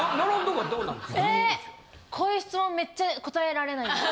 こういう質問めっちゃ答えられないです。